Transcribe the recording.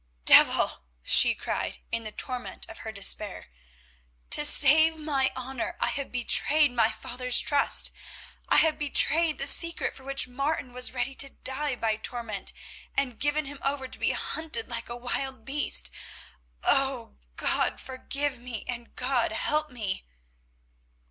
"Devil!" she cried in the torment of her despair. "To save my honour I have betrayed my father's trust; I have betrayed the secret for which Martin was ready to die by torment, and given him over to be hunted like a wild beast. Oh! God forgive me, and God help me!"